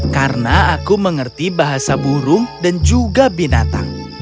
karena aku mengerti bahasa burung dan juga binatang